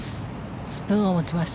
スプーンを持ちました。